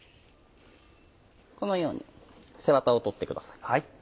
このように背ワタを取ってください。